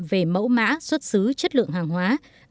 về mẫu mã xuất xứ chất lượng hàng hóa